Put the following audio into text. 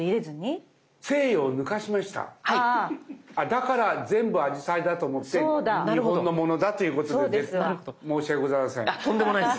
だから全部アジサイだと思って日本のものだということで出て申し訳ございません。